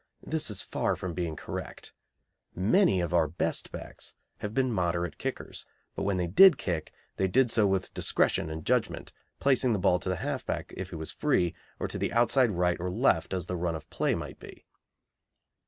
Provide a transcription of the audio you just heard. This is far from being correct. Many of our best backs have been moderate kickers, but when they did kick they did so with discretion and judgment, placing the ball to the half back if he was free or to the outside right or left, as the run of the play might be.